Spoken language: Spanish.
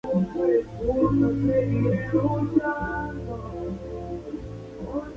Padre de Wong Fei Hung y reputado maestro de artes marciales.